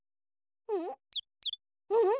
うん？